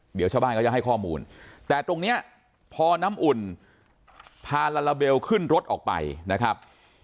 เดี๋ยวชาวบ้านเขาจะให้ข้อมูลแต่ตรงเนี้ยพอน้ำอุ่นพาลาลาเบลขึ้นรถออกไปนะครับ